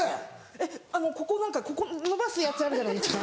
えっここ何かここ伸ばすやつあるじゃないですか。